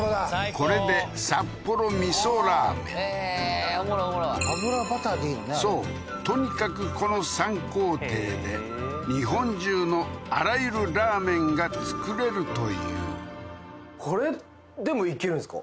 これで札幌味噌ラーメンへえーおもろいおもろいそうとにかくこの３工程で日本中のあらゆるラーメンが作れるというこれでもいけるんですか？